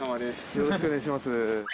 よろしくお願いします